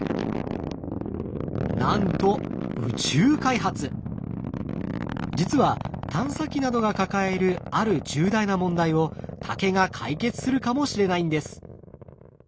なんと実は探査機などが抱えるある重大な問題を竹が解決するかもしれないんです。